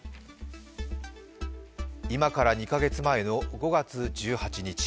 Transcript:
今から２か月前の５月１８日。